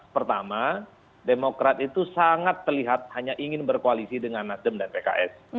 pertama demokrat itu sangat terlihat hanya ingin berkoalisi dengan nasdem dan pks